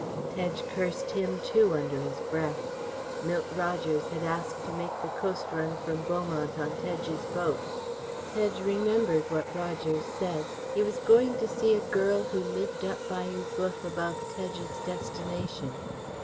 Tedge cursed him, too, under his breath. Milt Rogers had asked to make the coast run from Beaumont on Tedge's boat. Tedge remembered what Rogers said he was going to see a girl who lived up Bayou Boeuf above Tedge's destination.